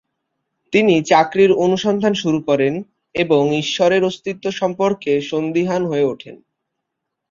তিনি চাকরির অনুসন্ধান শুরু করেন এবং ঈশ্বরের অস্তিত্ব সম্পর্কে সন্দিহান হয়ে ওঠেন।